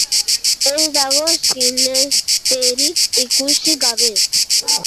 Ez dago sinesterik ikusi gabe.